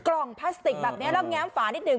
กล่องพลาสติกแบบนี้แล้วแง้มฝานิดนึ